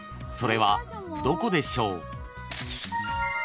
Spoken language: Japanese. ［それはどこでしょう？］